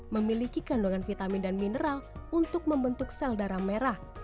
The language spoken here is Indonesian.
memiliki kandungan vitamin dan mineral untuk membentuk sel darah merah